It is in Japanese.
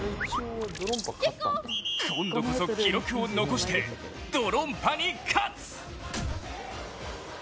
今度こそ記録を残してドロンパに勝つ！